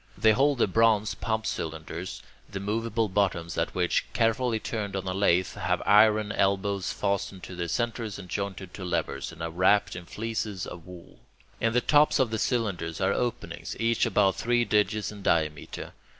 They hold the bronze pump cylinders, the moveable bottoms of which, carefully turned on a lathe, have iron elbows fastened to their centres and jointed to levers, and are wrapped in fleeces of wool. In the tops of the cylinders are openings, each about three digits in diameter.